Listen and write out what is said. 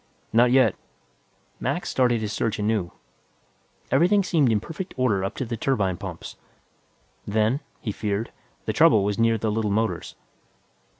"Not yet." Mac started his search anew. Everything seemed in perfect order up to the turbine pumps. Then, he feared, the trouble was near the little motors.